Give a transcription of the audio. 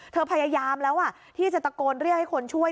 พยายามแล้วที่จะตะโกนเรียกให้คนช่วย